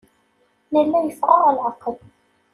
Nella yeffeɣ-aɣ leɛqel.